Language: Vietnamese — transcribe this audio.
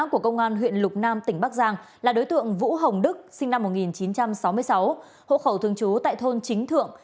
của công an huyện lục nam tỉnh bắc giang là đối tượng vũ hồng đức sinh năm một nghìn chín trăm sáu mươi sáu hộ khẩu thường trú tại thôn chính thượng